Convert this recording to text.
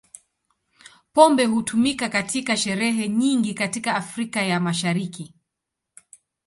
Pombe hutumika katika sherehe nyingi katika Afrika ya Mashariki.